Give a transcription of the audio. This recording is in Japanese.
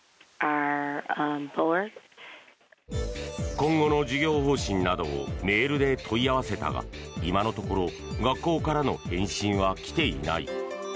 今後の授業方針などをメールで問い合わせたが今のところ学校からの返信は来ていない。